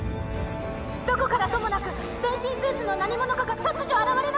どこからともなく全身スーツの何者かが突如現れました